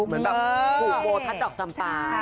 เหมือนแบบหุบโบทัศน์ดอกกำปลา